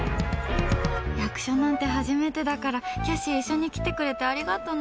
役所なんて初めてだからキャシー、一緒に来てくれてありがとうね。